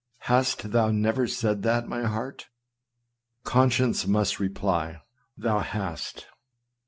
Hast thou never said that, my heart? Con science must reply, " Thou hast."